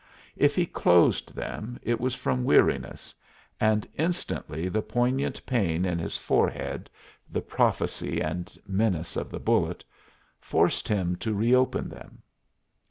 If he closed them it was from weariness, and instantly the poignant pain in his forehead the prophecy and menace of the bullet forced him to reopen them.